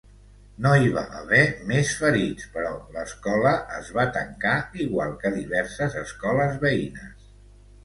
No hi va haver més ferits, però l'escola es va tancar, igual que diverses escoles veïnes.